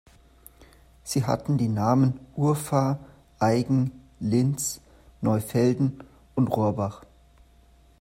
Sie hatten die Namen "Urfahr", "Aigen", "Linz", "Neufelden" und "Rohrbach".